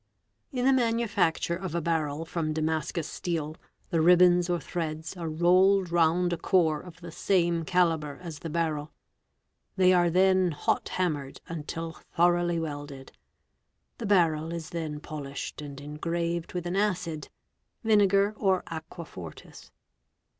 In the manufacture of a' barrel from Damascus steel the ribbons or _ threads are rolled round a core of the same calibre as the barrel; they are then hot hammered until thoroughly welded. The barrel is then _ polished and engraved with an acid (vinegar or aqua fortis).